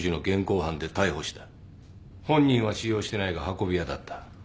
本人は使用してないが運び屋だった。